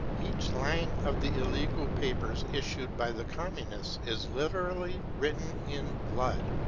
Each line of the illegal papers issued by the Communists is literally written in blood.